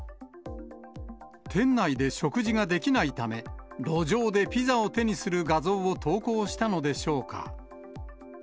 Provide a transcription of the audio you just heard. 店内で食事ができないため、路上でピザを手にする画像を投稿したのでしょうか。